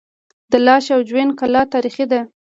د لاش او جوین کلا تاریخي ده